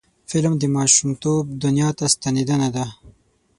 فلم د ماشومتوب دنیا ته ستنیدنه ده